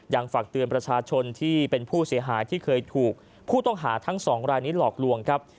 ฝากเตือนประชาชนที่เป็นผู้เสียหายที่เคยถูกผู้ต้องหาทั้งสองรายนี้หลอกลวงครับ